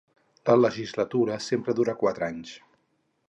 La llegislatura sempre dura quatre anys.